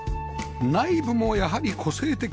内部もやはり個性的